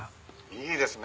「いいですね